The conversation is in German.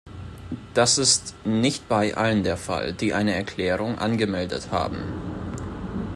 Das ist nicht bei allen der Fall, die eine Erklärung angemeldet haben!